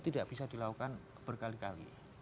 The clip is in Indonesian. tidak bisa dilakukan berkali kali